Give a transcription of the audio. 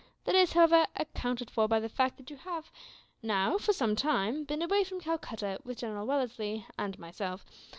That is, however, accounted for by the fact that you have now, for some time, been away from Calcutta with General Wellesley and myself.